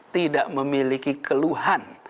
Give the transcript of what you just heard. tidak memiliki keluhan